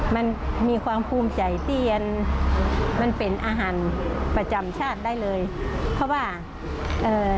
มันมีความภูมิใจเตี้ยนมันเป็นอาหารประจำชาติได้เลยเพราะว่าเอ่อ